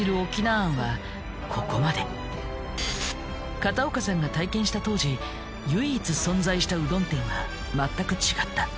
片岡さんが体験した当時唯一存在したうどん店は全く違った。